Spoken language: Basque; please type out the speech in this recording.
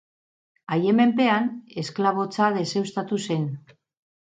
Haien menpean, esklabotza deuseztatu zen.